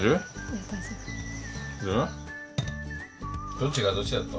どっちがどっちだった？